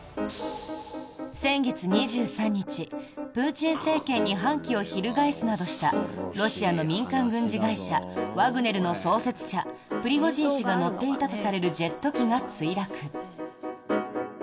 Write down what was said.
先月２３日、プーチン政権に反旗を翻すなどしたロシアの民間軍事会社ワグネルの創設者、プリゴジン氏が乗っていたとされるジェット機が墜落。